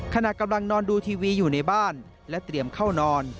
ขณะกำลังนอนดูทีวีอยู่ในบ้านและเตรียมเข้านอน